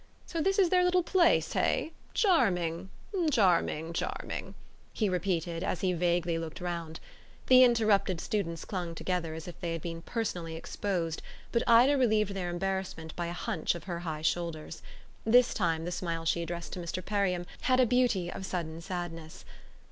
"So this is their little place, hey? Charming, charming, charming!" he repeated as he vaguely looked round. The interrupted students clung together as if they had been personally exposed; but Ida relieved their embarrassment by a hunch of her high shoulders. This time the smile she addressed to Mr. Perriam had a beauty of sudden sadness.